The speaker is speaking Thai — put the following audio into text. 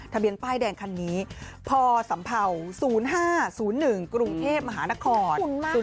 ทะเบียนป้ายแดงคันนี้พศ๐๕๐๑กรุงเทพมหานคร